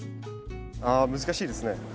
あ難しいですね。